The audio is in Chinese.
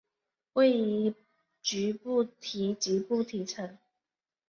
位于吉布提吉布提城。